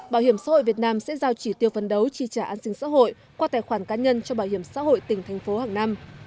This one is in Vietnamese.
bảo hiểm xã hội việt nam sẽ giao chỉ tiêu phân đấu chi trả an sinh xã hội qua tài khoản cá nhân cho bảo hiểm xã hội tỉnh thành phố hàng năm